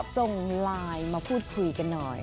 ส่งไลน์มาพูดคุยกันหน่อย